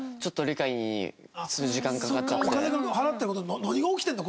お金払ってる事に何が起きてるんだ？